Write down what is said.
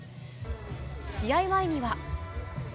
試合前には。